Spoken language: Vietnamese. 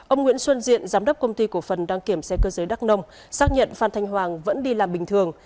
ông nguyễn xuân diện giám đốc công ty cổ phân đang kiểm xe cơ giới đắk nông xác nhận phan thanh hoàng vẫn đi làm bình thường